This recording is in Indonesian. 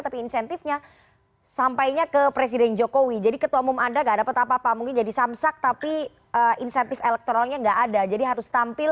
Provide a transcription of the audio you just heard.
tapi insentifnya sampainya ke presiden jokowi jadi ketua umum anda gak dapat apa apa mungkin jadi samsak tapi insentif elektoralnya nggak ada jadi harus tampil